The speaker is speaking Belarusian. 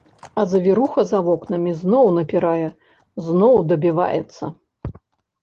А завіруха за вокнамі зноў напірае, зноў дабіваецца.